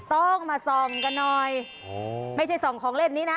ต้องมาส่องกันหน่อยไม่ใช่ส่องของเล่นนี้นะ